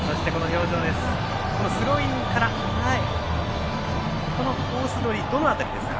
スローインからのコース取り、どの辺りですか。